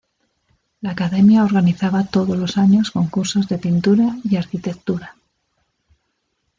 La Academia organizaba todos los años concursos de pintura y arquitectura.